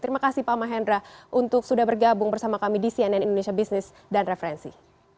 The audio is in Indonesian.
terima kasih pak mahendra untuk sudah bergabung bersama kami di cnn indonesia business dan referensi